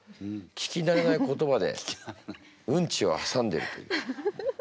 聞きなれない言葉でうんちをはさんでるという。